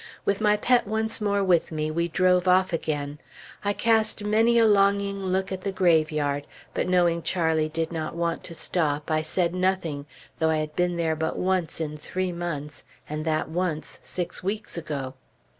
With my pet once more with me, we drove off again. I cast many a longing look at the graveyard; but knowing Charlie did not want to stop, I said nothing, though I had been there but once in three months, and that once, six weeks ago.